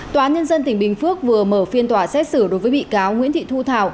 tòa án nhân dân tỉnh bình phước vừa mở phiên tòa xét xử đối với bị cáo nguyễn thị thu thảo